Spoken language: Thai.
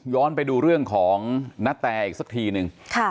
ไปดูเรื่องของณแตอีกสักทีนึง